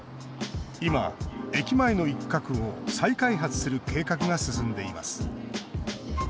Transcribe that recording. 今、駅前の一角を再開発する計画が進んでいます。